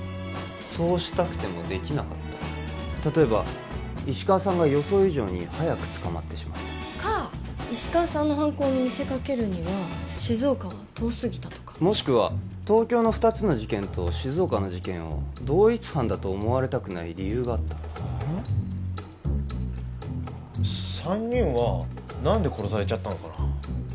そうしたくてもできなかった例えば石川さんが予想以上に早く捕まってしまったか石川さんの犯行に見せかけるには静岡は遠すぎたとかもしくは東京の２つの事件と静岡の事件を同一犯だと思われたくない理由があった三人は何で殺されちゃったのかな？